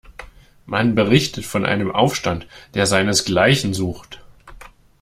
Man berichtet von einem Aufstand, der seinesgleichen sucht.